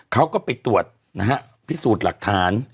เขาก็ไปตรวจนะฮะพิสูจน์หลักฐาน